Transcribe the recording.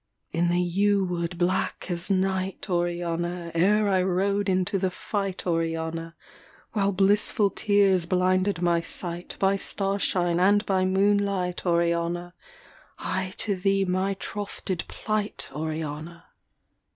In the yew wood black as night, Oriana, Ere I rode into the fight, Oriana, While blissful tears blinded my sight By star shine and by moonlight, Oriana, I to thee my troth did plight, Oriana.